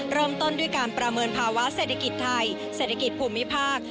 เริ่มต้นด้วยการประเมินภาวะเศรษฐกิจไทยเศรษฐกิจภูมิภาค